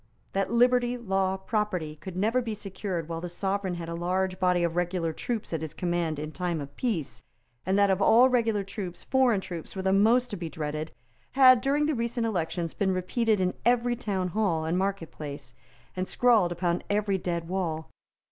That liberty, law, property, could never be secured while the Sovereign had a large body of regular troops at his command in time of peace, and that of all regular troops foreign troops were the most to be dreaded, had, during the recent elections, been repeated in every town hall and market place, and scrawled upon every dead wall.